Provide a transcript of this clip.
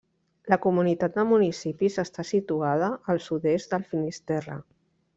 La comunitat de municipis està situada al sud-est del Finisterre.